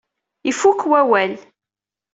Ifukk wawal.